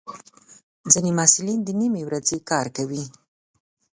ځینې محصلین د نیمه وخت کار کوي.